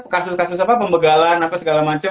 kasus kasus apa pembegalan apa segala macam